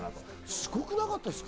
すごくなかったですか。